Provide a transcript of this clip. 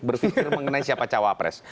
berpikir mengenai siapa cawapres